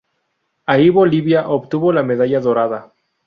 Ahí Bolivia obtuvo la medalla dorada.